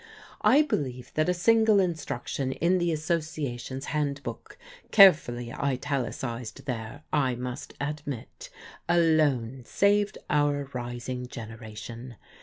I believe that a single instruction in the Association's Handbook carefully italicised there, I must admit alone saved our rising generation.